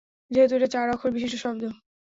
যেহেতু এটা চার অক্ষর বিশিষ্ট শব্দ।